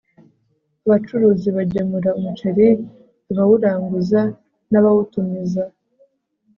Abacuruzi bagemura umuceri abawuranguza n abawutumiza